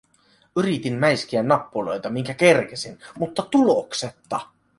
Yritin mäiskiä nappuloita, minkä kerkesin, mutta tuloksetta.